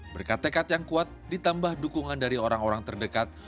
berkat tekad yang kuat ditambah dukungan dari orang orang terdekat